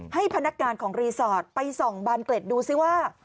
ให้พนักงานของรีสอร์ทไปส่องบานเกล็ดดูซิว่า